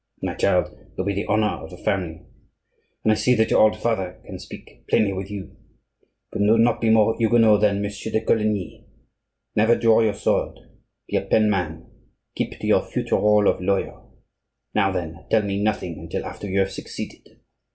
My child, you'll be the honor of the family, and I see that your old father can speak plainly with you. But do not be more Huguenot than Messieurs de Coligny. Never draw your sword; be a pen man; keep to your future role of lawyer. Now, then, tell me nothing until after you have succeeded.